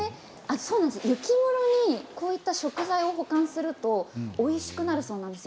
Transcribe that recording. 雪室に、こういった食材を保管するとおいしくなるそうです。